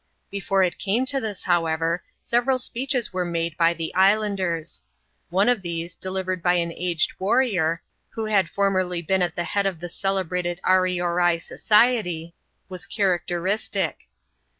Before it came to this, however, several speeches were made by the islanders. One of these, delivered by an aged warrior, who had formerly been at the head of the celebrated Aeorai Society, was characteristic.